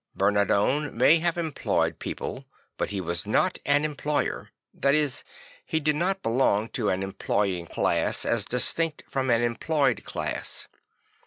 Bernardone may have employed people but he was not an employer; that is, he did not belong to an employ ing class as distinct from an employed class.